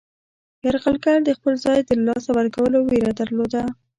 یرغلګر د خپل ځای د له لاسه ورکولو ویره درلوده.